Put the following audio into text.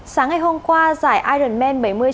sáng ngày hôm qua giải ironman bảy mươi ba